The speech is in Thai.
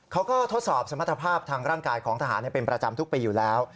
ทดสอบสมรรถภาพทางร่างกายของทหารเป็นประจำทุกปีอยู่แล้ว